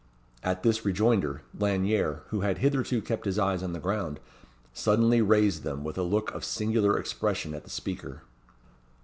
At this rejoinder, Lanyere, who had hitherto kept his eyes on the ground, suddenly raised them, with a look of singular expression at the speaker.